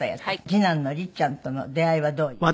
次男の率ちゃんとの出会いはどういう？